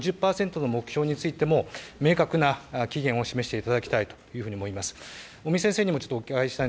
この５０％の目標についても明確な期限を示していただきたいというふうに思います。